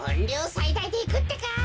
さいだいでいくってか。